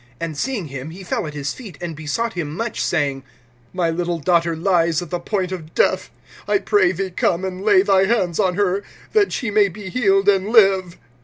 And seeing him, he fell at his feet, (23)and besought him much, saying: My little daughter lies at the point of death. I pray thee come, and lay thy hands on her, that she may be healed and live.